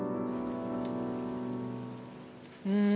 うん。